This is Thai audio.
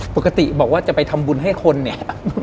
ปกติบอกว่าจะไปทำบุญให้คนเนี่ย